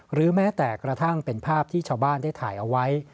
หรือแม้แต่กระทั่งเป็นภาพที่ชาวบ้านได้ถ่ายเอาไว้